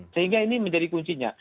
sehingga ini menjadi kuncinya